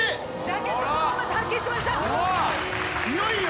いよいよ。